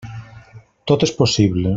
Tot és possible.